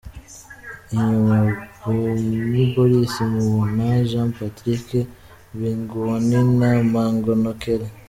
Inyuma : Moubhio Boris , Mbouna Jean Patrick, Miangounina , Magnokele.